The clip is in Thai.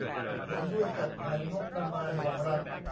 เห็นด้วยกับแผนงบประมาณของรัฐ